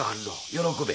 喜べ。